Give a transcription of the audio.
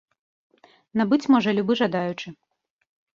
Набыць можа любы жадаючы.